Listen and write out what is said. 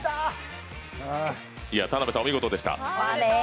田辺さん、お見事でした。